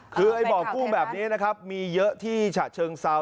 คือไอ้บ่อกุ้งแบบนี้นะครับมีเยอะที่ฉะเชิงเซา